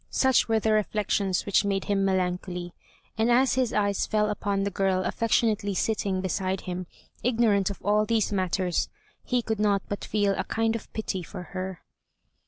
Such were the reflections which made him melancholy; and as his eyes fell upon the girl affectionately sitting beside him, ignorant of all these matters, he could not but feel a kind of pity for her.